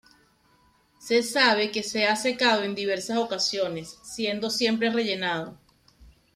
Se sabe que se ha secado en diversas ocasiones, siendo siempre rellenado.